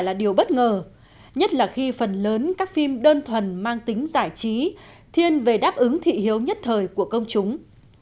đây là điều bất ngờ nhất là khi phần lớn các phim đơn thuần mang tính giải trí thiên về đáp ứng thị hiếu nhất thời của công chúng